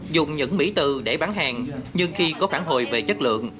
dùng những mỹ từ để bán hàng nhưng khi có phản hồi về chất lượng